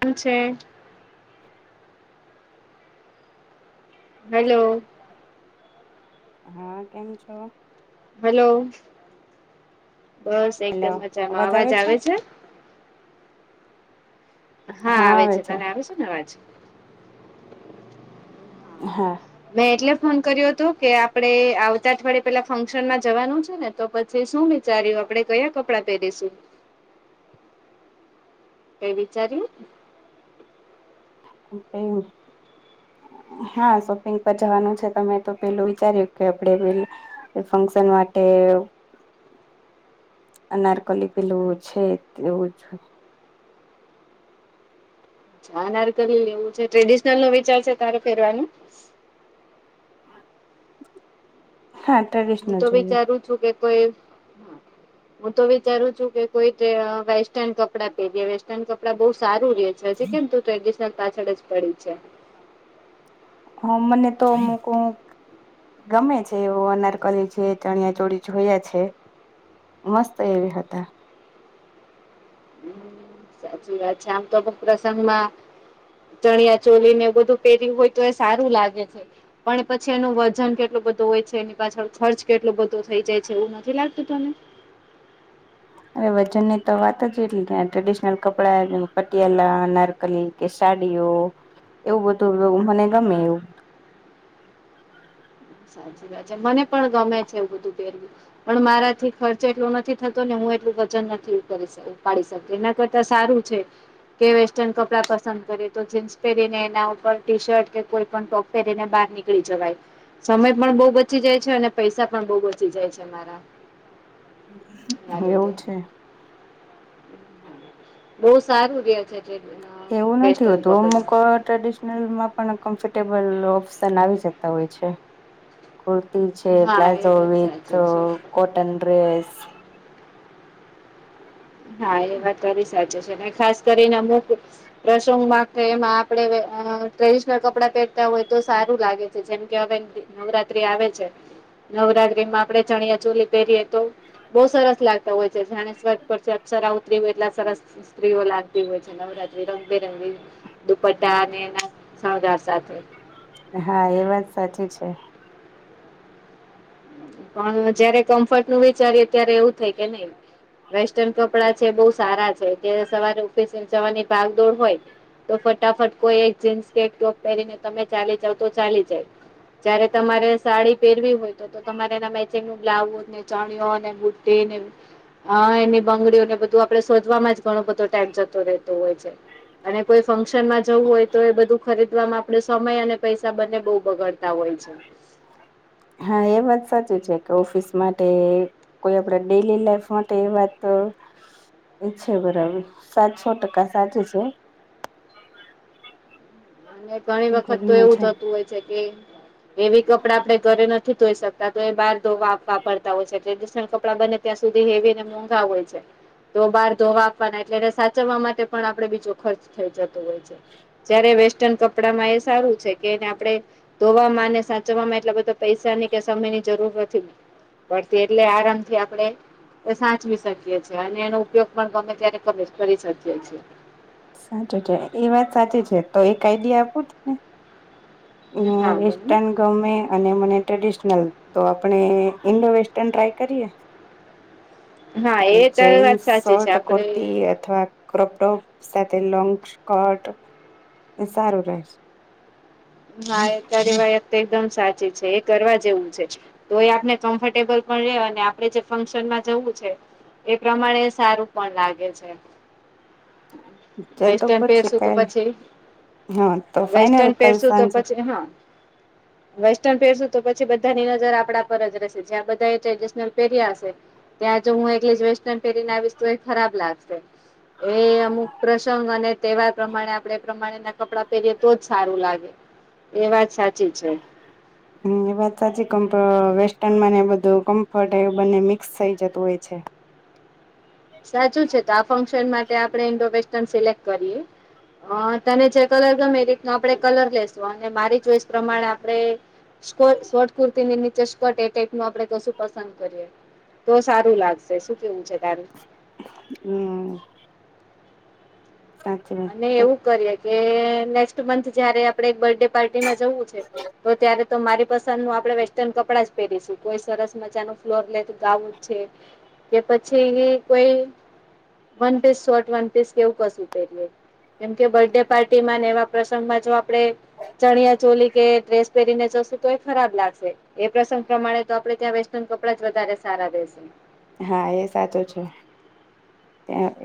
કન છે હલો હા કેમ છો? હલો બસ એકદમ મજામાં અવાજ આવે છે? હા આવે છે તને આવ છે ને આવાજ હા મેં એટલે ફોન કર્યો હતો કે આપડે આવતા અઠવાડય પેલા ફંક્શન માં જવાનું છે ને તો પછ શું વિચાર્યું આપડણે કયા કપડા પહેરીશું કઈ વિચારી્યું એવુ જ. હા શોપિંગ પર જવાનું છે તમે તો પેલું વિચાર્યું કે આપડે પેલ એ ફંક્શન માટે અનારકલી પેલું છે એવું જ ચા નાર કરી લેવું છે ટ્રેડિશનલ નો વિચાર છે તારે ફેરવાનો હા હું ટ્રેડિશનલ તો જોઈએ વિચારું છું કે કોઈ હું તો વિચારું છું કે કોઈક વેસ્ટર્ન કપડાં પેરીએ વેસ ટીસન તો એમ કપડાં બહુ સારું રે છે હજી કેમ તું ટ્રેડિશનલ પાછળ જ પડી છે? હા મને તોમુક ગમે છે એવો અનારકલી છે ચણિયા ચોળી જોયા છે. મસ્ત એવી હતા સાચી વાત છે આમ તો પણ પ્રસંગમાં ચણિયા ચોલી ને એ બધું પહેર્યું હોય તો એ સારું લાગે છે. પણ પછી એનું વજન કેટલું બધો હોય છે એની પાછળ ખર્ચ કેટલો બધો થઈ જાય છે એવું નથી લાગતું તને અરે વજન ની તો વાત જ એટલી કે ટ્રેડિશનલ કપડા પટિયાલા અનારકલી કે સાડીઓ એવું બધું મને ગમે એવું સાચી વાત છે મને પણ ગમે છે એવું બધું પહેરવું પણ મારાથી ખર્ચ એટલો નથી થતો ને હું એટલું વજન નથી ઉપાડી શકતી એના કર ત સારું છે. કે વેસ્ટર્ન કપડા પસંદ કરીએ તો જીન્સ પહેરીને એના ઉપર ટી શર્ટ કે કોઈ પણ ટોપ પેરીને બહાર નીકળી જવાય. સમય પણ બહુ બચી જાય છે અને પૈસા પણ બહુ બચી જાય છે મારા. ના લીધે એવું છે. બહુ સારું રે છે. [inaudible] એવું નથી વેસ્ટર્ન હોતું કપડાં અમુક અ ટ્રેડિશનલમાં પણ કમ્ફર્ટેબલ ઓપ્શન આવી શકતા હોય છે. કુર્તી છે, હા એ પ્લાઝો વાત વિથ સાચી છે કોટન ડ્રેસ. હા એ વાત તારી સાચી છે. કાઈ ખાસ કરીને અમુક પ્રસંગમાં કે એમાં આપડે અ ટ્રેડિશનલ કપડાં પેરતા હોય તો સારું લાગે. તો જેમ કે હવે નવરાત્રી આવે છે નવરાત્રીમાં આપડે ચણિયા ચોલી પહેરીએ. તો બહુ સરસ લાગતા હોય છે. જાણેે સ્વર્ગ પરથી અપ્સરા ઉતરી હોય એટલા સરસ સ્ત્રીઓ લાગતી હોય છે નવરાત્રી રંગબેરંગી દુપટ્ટા અને એના શણગાર સાથે. હા એ વાત સાચી છે. પન જયારે કમ્ફર્ટનું વિચારીએ ત્યારે એવું થાય કે નહીં વેસ્ટર્ન કપડાં છે બહુ સારા છે કે સવારે ઓફિસે ને જવાની ભાગદોડ હોય. તો ફટાફટ કોઈ એક જીન્સ કે ટોપ પહેરીને તમે ચાલી જાવ તો ચાલી જાય. જયારે તમારે સાડી પેરવી હોય તો તો તમારે એના મેચિંગનું બ્લાઉઝ ને ચણીયો ને બુટીને અ એની બંગડીઓને બધું આપણે શોધવામાં જ ઘણો બધો ટાઈમ જતો રેતો હોય છે. અને કોઈ ફંકક્શનમાં જવું હોય તો એ બધું ખરીદવામાં આપડે સમય અને પૈસા બંને બહુ બગાડ તા હોય છે. હા એ વાત સાચી છે કે ઓફિસ માટે કોઈ આપડા ડેલી લાઈફ માટે એ વાત અચ્છા બરાબર સાત સો ટકા સાચી છે. અને ઘણી વખત તો ઘરમાં એવું છે થતું હોય છે કે એવી કપડાં આપડે ઘરે નથી ધોઈ શકતા તો એ બહાર ધોવા આપવા પડતા હોય છે. ટ્રેડિશનલ કપડાં બને ત્યાં સુધી હેવી ને મોંઘા હોય છે. તો બાર ધોવા આપવાના એટલે એને સાચવવા માટે પણ આપડે બીજો ખર્ચ થઈ જતો હોય છે. જયારે વેસ્ટર્ન કપડામાં એ સારું છે કે એને આપણે ધોવામાં ને સાચવવામાં એટલા બધા પૈસાની કે સમયની જરૂર નથી. પડતી એટલે આરામથી આપડે એ સાચવી શકીએ છીએ. અને એનો ઉપયોગ પણ ગમે ત્યારે ગમે કરી શકીએ છીએ. સાચું છે. એ વાત સાચી છે. તો એક આઈડિયા આપો ને? હહ હા અ મમ્મી વેસ્ટન ગમે અને મને ટ્રેડિશનલ તો આપણે ઇન્ડો વેસ્ટર્ન ટ્રાય કરીએ હા એ તારી વાત જેન્સ સાચી છે શર્ટ આપડે કુર્તી અથવા ક્રોપટોપ સાથે લોંગ સ્કટ એ સારું રહે છે. ના એ ત્યારે વાયત તો એકદમ સાચી છે એ કરવા જેવું છે. તો એ આપને કમ્ફર્ટેબલ પણ રે અને આપડે જે ફંક્શનમાં જવું છે. એ પ્રમાણે સારું પણ લાગે છે. હમ અ ચાલ તો વેસ્ટન પછી પેરશું તો કાલ પછી તો હા ફાઈનલ વેસ્ટર્ન કાલ પેરશું સાંજે ચે હા. વેસ્ટર્ન પેરશું તો પછી બધાની નજર આપણા પર જ રહેશે. જ્યાં બધાએ ટ્રેડિશનલ પેર્યા હશે ત્યાં જો હું એકલી જ વેસ્ટર્ન પેરીને આવીશ તોએ ખરાબ લાગશે. એ અમુક પ્રસંગ અને તહેવાર પ્રમાણે આપણે પ્રમાણેના કપડાં પહેરીએ તો જ સારું લાગે. એ વાત સાચી છે. હમ એ વાત સાચી કમ્ વેસ્ટર્નમાંને બધું કમ્ફર્ટ એ બંને મિક્સ થઇ જતું હોય છે. સાચું છે તો આ ફંક્શન માટે આપણે ઇન્ડો વેસ્ટન સિલેક્ટ કરીએ હ તને જે કલર ગમે એ રીતનો આપણે કલર લસું અને મારી ચોઈસ પ્રમાણે આપણે સ્ શોર્ટ કુર્તીની નીચે સ્કર્ટ એ ટાઈપ ન આપડે કશું પસંદ કરીએ તો સારું લાગશે શું કેવું છે તારેું હમ સાચ્છા એવું કરીએ કે નેક્સ્ટ મંથ જયારે આપણે એક બર્ ડે પાર્ટીમાં જવું છે તો ત્યારે તો મારી પસંદ નું આપડણે વેસ્ટર્ન કપડાં જ પહેરીશું કોઈ સરસ મજા ન ફ્લોર લટ ગાવું જ છે કે પછી કોઈ one piece short one piece કેવું કશું કેમ કે બર્ડે પાર્ટીમાં ને એવા પ્રસંગમાં જો આપણે ચણિયા ચોલી કે ડ્રેસ પહેરીને જશ તો એ ખરાબ લાગશે એ પ્રસંગ પ્રમાણે તો આપડે ત્યાં વેસ્ટર્ન કપડાં જ વધારે સારા રહેેશે હા એ સાચું છે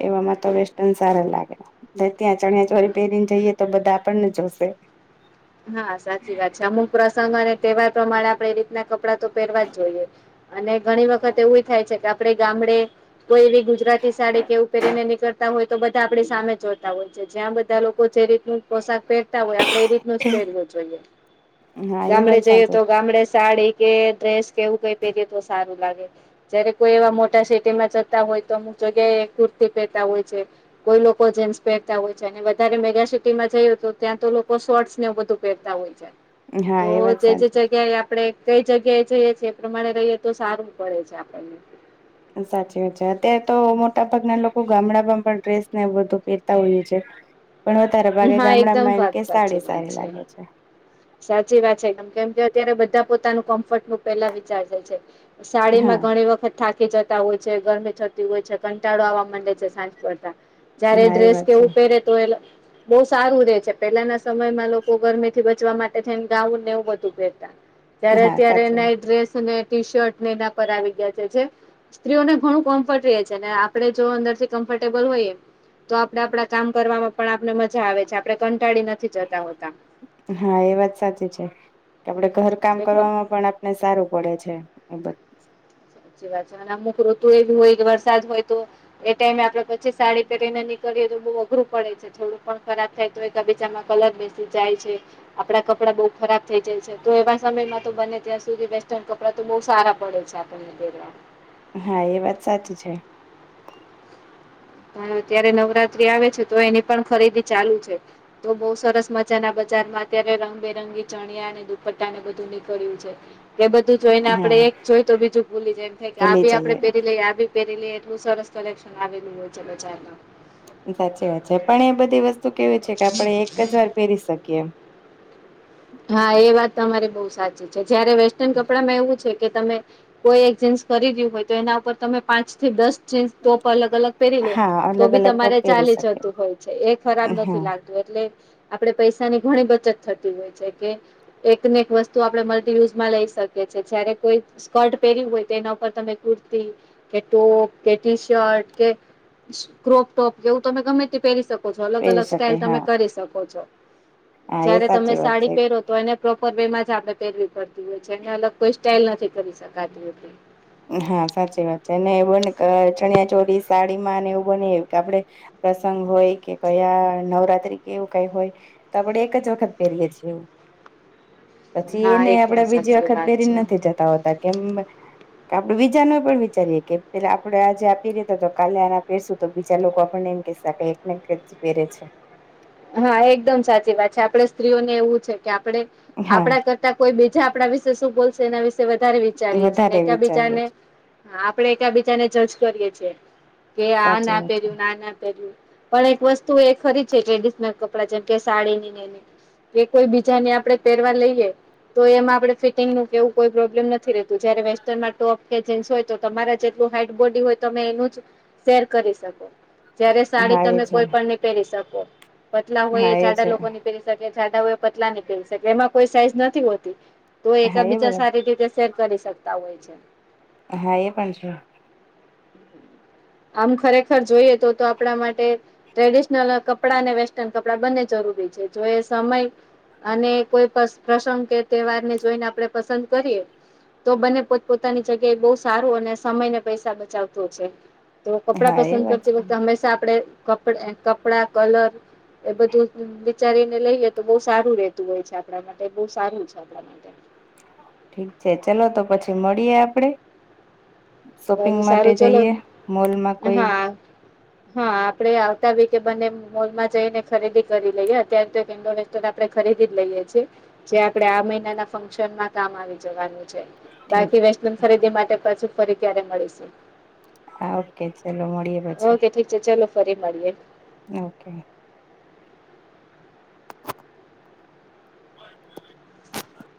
એવામાં તો વેસ્ટન સારા લાગે ત્યાં ચણિયા ચોરી પહેરીને જઈએ તો બધા આપણને જોશે હા સાચી વાત છે અમુક પ્રસંગ અને તહેવાર પ્રમાણે આપણે એ રીતના કપડાં તો પહેરવા જ જોઈએ અને ઘણી વખત એવું થાય છે કે આપડે ગામડે કોઈ એવી ગુજરાતી સાડી કેવું પહેરી ને નીકળ હોય તો બધા આપણી સામે જોતા હોય છે જ્યાં બધા લોકો જે રીતનું પોશાક પહેરતા હોય આપણે એ રીતનું રવ જોઈએ હા એ ગામડે વાત જઈએ સાચી તો છે. ગામડે સાડી કે ડ્રેસ કેવું કઈ પહેરીએ તો સારું લાગે જયારે કોઈ એવા મોટા સિટીમાં જતા હોય તો અમુક જગ્યાએ કુર્તી પહેતા હોય છે કોઈ લોકો જેન્સ પહેરતા હોય છે અને વધારે મેગાસિટીમાં જયું તો ત્યાં તો લોકો શોર્ટસ ગતા હોય છે હા તો એ વાત જે સાચી જગ્યાએ આપણે કઈ જગ્યાએ જઈએી એ પ્રમાણે રહીએ તો સારું પડે છે આપણને સાચી વાત છે અત્યારે તો મોટા ભાગના લોકો ગામડામાં પણ ડ્રેસ ને બધું પહેરતા હોઈએ છે હ પણ વધતારે હા એકદમ વાત સાચી વાત છે સાચી વાત છે કેમ કેમ કે અત્યારે બધા પોતાનું કમ્ફર્ટ નું પેલા વિચાર જાય છે સાડી માં હા ઘણી વખત થાકી જતા હોય છે ગરમી થતી હોય છે કંટાળો આવવા માંડે છે સાંજ કરતા જયારે હા એ ડ્રેસ વાત છે. કેવું પહેરે તો એ બહુ સારું રે છે પેલાના સમયમાં લોકો ગરમી થી બધ ચ માટે થઈને ગાવુંને એવું બધું પહેતા ત્યારે હા અત્યારે સાચી ડ્રેસ અને ટી શર્ટ એના પર આવી ગયા છે જે સ્ત્રીઓને ઘણું કમ્ફર્ટ રહે છે ને આપણે જો અંદર થી કમ્ફર્ટેબલ હોયએમ તો આપડે આપડા કામ કરવાવામાં પણ આપને મજા આવે છે આપણે કંટાળી નથી જતા હોતા હા એ વાત સાચી છે કે આપડે ઘર કામ એટલે કરવામાં પણ ને સારું પડે છે એ બધ સાચી વાત છે અને અમુક ઋતુ એ હોય કે વરસાદ હોય તો એ ટાઈમે આપડે પછી સાડી પહેરીને નીકળીએ તો બઉુ અઘરું પડે છે થોડું પણ ખરાબ થાય તો એકબીચામાં કલર બેસી જાય છે આપડા કપડાં બઉુ ખરાબ થઇ જાય છે તો એવા સમયમાં તો બને ત્યાં સુધી વેસ્ટર્ન કપડાં તો બહુ સારા પડે છે તને પ હા એ વાત સાચી છે હ ત્યારે નવરાત્રી આવે છે તો એની પણ ખરીદી ચાલુ છે તો બઉુ સરસ મજાના બજારમાં અત્યારે રંગબેરંગી ચણિયા અને દુપટ્ટા ને બધું નીકળ્યું છે એ બધું જોઈ ને આપડે હા એક જોઈ તો બીજું ભૂલી જાય એમ થાય કે આ ભૂલી બી આપણેે જઈએ પહેરી લઈએ આ બી પહેરી લ એટલું સરસ કલેક્શન આવેલું હોય છે બ ચારમાં સાચી વાત છે પણ એ બધી વસ્તુ કેવી છે કે આપણે એક જ વાર પહેરી શકીએ. હા એ વાત તમારી બહુ સાચી છે જયારે વેસ્ટર્ન કપડામાં એવું છે કે તમે કોઈ એક જીન્સ ખરીદ્યું હોય તો એના ઉપર તમે પાંચ થી દસ જીન્સ ટોપ અલગ અલગ પહેરી લો હા તો અલગ બી અલગ ટોપ તમારે પહેરી ચાલી શકે જતું હોય છે એ ખરાબ હા નથી લાગત એટલે આપડે પૈસાની ઘણી બચત થતી હોય છે. કે એકને એક વસ્તુ આપણે મલ્ટીયુઝમાં લઈ શકીએ છેએ જયારે કોઈ સ્કર્ટ પહેર્યું હોય તો એના ઉપર તમે કુર્તી કે ટોપ કે ટી શર્ટ કે ક્રોપ ટોપ કેવું તમે ગમે તે પહેરી શકો અલગ પહેરી અલગ શકે સ્ટાઈલ તમે હા કરી શકો છો હા એ જયારે તમે સાચી વાત છે સાડી એ પ્રોપર વેમાં જ આપણે પહેરવી પડતી હોય છે એને અલગ કોઈ સ્ટાઈલ નથી કરી શકાતી. હા સાચી વાત છે અને બને ચણિયા ચોલી સાડીમાં ને એવું બને કે આપડે પ્રસંગ હોય કે કયા નવરાત્રી કેવું કઈ હોય તો આપડણે એક જ વખત પહેરીએ છીએ એ. પછી હા એને એકદમ આપડે બીજી સાચી વખત વાત છે. પહેરીને નથી જતા હોતા કેમ આપડે બીજા નું પણ વિચારીએ કે પેલા આપડે આજે આપી દેતો હતો કાલે આપડે આને આ પહેરશું તો બીજા લોકો આપણને કે એકને એક પેરે છે. હા એકદમ સાચી વાત છે આપણે સ્ત્રીઓને એવું છે કે આપણે હા આપણા કર કોઈ બીજા આપણા વિશે શું બોલશે એના વિશે વધારે વિચારીએ છે વધારે એક વિચારીએ બીજાને છે હા આપડે એક બીજાને જજ કરીએ છીએ કે આ સાચી ના વાત પેર્યું ના આ ના પહેર્યું. પણ એક વસ્તુ એ ખરી છે ટ્રેડિશનલ કપડા જેમ કે સાડીની ને એની કે કોઈ બીજાને આપણે પહેરવા લઈએ તો એમાં આપડણે ફિટિંગનું કે એવું કોઈ પ્રોબ્લેમ નથી રહેતું જયારે વેસ્ટર્નમાં ટોપ કે જીન્સ હોય તો તમારા જેટલું હાઈટ બોડી હોય તમે એનું જ શેર કરી શકો. જયારે છે સાડી હા એ તમે છે કોઈ પણ ની પહેરી શકો. પતલા હોય હા એ જાડા છે લોકો ની પહેરી શકે જાડા હોય એ પતલા ની પહેરી શકે એમાં કોઈ સાઈઝ નથી હોતી. તો હા એ એકબીજા બરાબર સારી રીતે શેર કરી શકતા હોય છે. હા એ પણ છે. હમ આમ ખરેખર જોઈએ તો તો આપણા માટે ટ્રેડિશનલ કપડા અને વેસ્ટર્ન કપડાં બંને જરૂરી છે જો એ સમય અને કોઈ પ્રસંગ કે તહેવાર ને જોઈને આપડે પસંદ કરીએ તો બને પોત પોતાની જગ્યાએ બહુ સારું અને સમય ને પૈસા બચાવતો છે. તો કપડાં હા એ પસંદ વાત કરતી છે વખતે હંમેશા આપડે કપડા કલર એ બધું વિચારીને લઈએ તો બહુ સારું રેતું હોય છે આપણા માટે બહુ સારું છે. તો ઠીક છે ચલો તો પછી મળીએે આપડે. શોપિંગ સારું માટે સારું ચલો જઈએ મોલ માં કોઈ હા હા આપડે આવતા વીકે બને મોલ માં જઈને ખરીદી કરી લઈએ અત્યારે તો એક ઇન્ડોવેસ્ટન આપડે ખરીદી જ લઈએ છીએ. જે આપડે આ મહિના ના ફંક્શનમાં કામ આવી જવાનું છે. ઠીક બાકી વેસ્ટલન ખરીદી માટે પાછી ફરી ક્યારે મળીશું. હા ઓકે ચલો મડીએ. ઓકે ઠીક છે ચાલલો ફરી મળીએે. ઓકે.